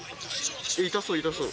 痛そう、痛そう。